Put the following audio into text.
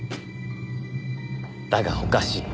だがおかしい。